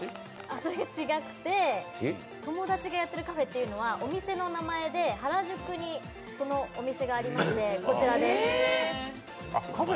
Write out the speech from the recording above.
それが違くて、友達がやってるカフェというのはお店の名前で、原宿にそのお店がありまして、こちらです。